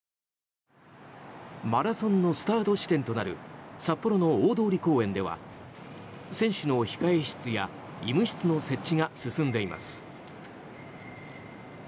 マラソンのスタート地点となる札幌の大通公園では選手の控室や医務室の設置が進んでいます。